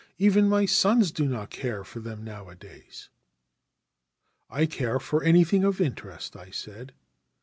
Even my sons do not care for them nowadays !'' 1 care for anything of interest,' I said.